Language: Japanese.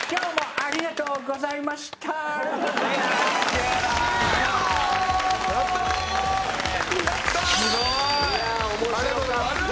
ありがとうございます。